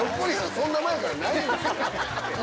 そんな前からないんですよ。